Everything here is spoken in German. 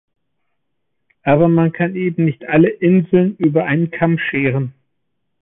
Aber man kann eben nicht alle Inseln über einen Kamm scheren.